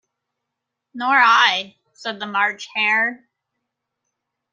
‘Nor I,’ said the March Hare.